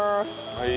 はい。